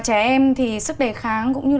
hệ thống chuỗi cửa hàng con cưng